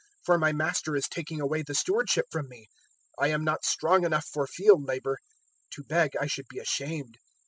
For my master is taking away the stewardship from me. I am not strong enough for field labour: to beg, I should be ashamed.